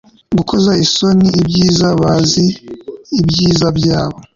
Gukoza isoni ibyiza bazi ibyiza byabo